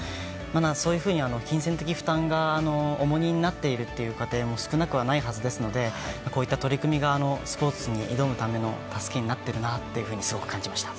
そういうふうに金銭的負担が重荷になっている家庭も少なくはないはずですのでこういった取り組みがスポーツに挑むための助けになっているなとすごく感じました。